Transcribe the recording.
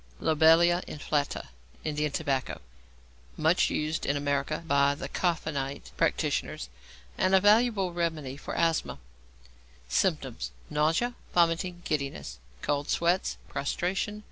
=Lobelia Inflata= (Indian Tobacco). Much used in America by the Coffenite practitioners, and a valuable remedy for asthma. Symptoms. Nausea, vomiting, giddiness, cold sweats, prostration.